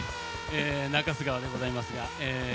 中州川でございますが。